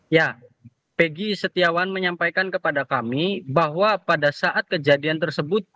ya peggy setiawan menyampaikan kepada kami bahwa pada saat kejadian tersebut